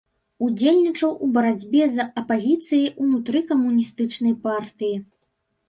Удзельнічаў у барацьбе з апазіцыяй ўнутры камуністычнай партыі.